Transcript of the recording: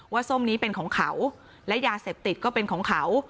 ส้มนี้เป็นของเขาและยาเสพติดก็เป็นของเขา